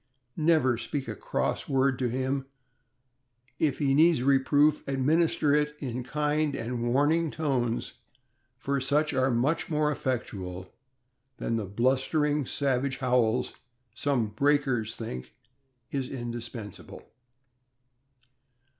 Never speak a cross word to him; if he needs reproof, administer it in kind and warning tones, for such are far more effectual than the blustering, savage howls some "breakers" think indispensable.